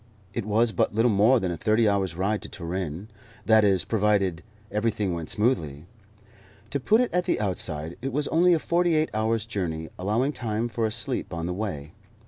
It was but little more than a thirty hours' ride to Turin that is, providing everything went smoothly. To put it at the outside, it was only a forty eight hours' journey, allowing time for a sleep on the way.